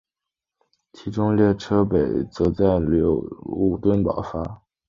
其中列车北行则在纽伦堡始发。